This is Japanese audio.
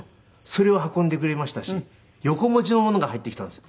それを運んでくれましたし横文字のものが入ってきたんです